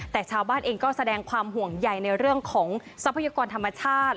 แต่ชาวบ้านเองก็แสดงความห่วงใยในเรื่องของทรัพยากรธรรมชาติ